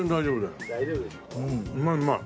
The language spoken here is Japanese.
うまいうまい！